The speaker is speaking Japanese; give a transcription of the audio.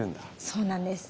そうなんです。